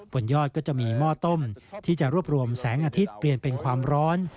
บนยอดก็จะมีหม้อต้มที่จะรวบรวมแสงอาทิตย์เปลี่ยนเป็นความร้อน